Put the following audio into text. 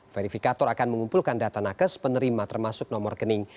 verifikator akan mengumpulkan data nakes penerima termasuk nomor rekening